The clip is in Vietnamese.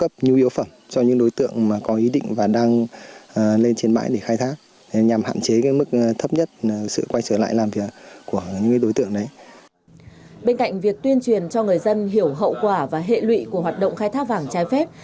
bên cạnh việc tuyên truyền cho người dân hiểu hậu quả và hệ lụy của hoạt động khai thác vàng trái phép